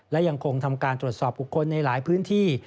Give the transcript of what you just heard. และยังคงทำการตรวจสอบบุคคลในหลายพื้นที่